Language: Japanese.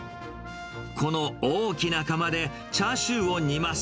この大きな釜で、チャーシューを煮ます。